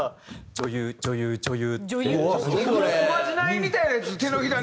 女優女優女優。